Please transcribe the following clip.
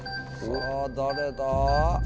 さぁ誰だ？